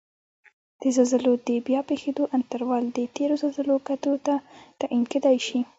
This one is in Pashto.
د زلزلو د بیا پېښیدو انټروال د تېرو زلزلو کتو ته تعین کېدای شي